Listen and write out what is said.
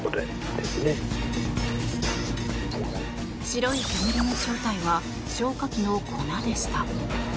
白い煙の正体は消火器の粉でした。